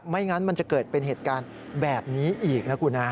งั้นมันจะเกิดเป็นเหตุการณ์แบบนี้อีกนะคุณฮะ